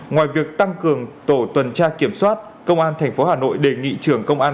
ngoài việc tăng cường tổ tuần tra kiểm soát công an tp hà nội đề nghị trưởng công an